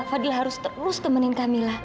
fadil harus terus temenin kamila